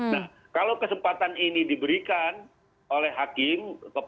nah kalau kesempatan ini diberikan oleh hakim